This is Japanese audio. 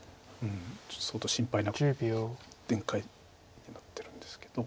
ちょっと相当心配な展開になってるんですけど。